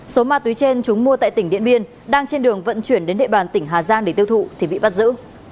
số ma túy trên chúng mua tại tỉnh điện biên đang trên đường vận chuyển đến địa bàn tỉnh hà giang để tiêu thụ thì bị bắt giữ